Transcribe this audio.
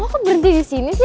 lo kok berdiri disini sih